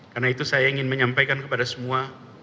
karena itu saya ingin menyampaikan kepada semua